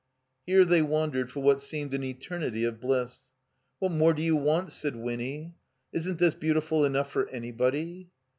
Here ^ey wandered for what seemed an eternity of bliss. ''What more do you want?" said Winny. "Isn't this beautiEul enough for anybody?"